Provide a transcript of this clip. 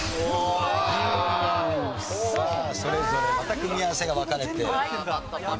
さあそれぞれまた組み合わせが分かれていますね。